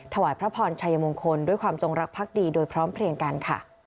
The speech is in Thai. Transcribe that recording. ถวายพระพรชัยมงคลด้วยความจงรักภักดีโดยพร้อมเพลียงกันค่ะ